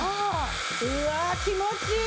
うわ気持ちいい。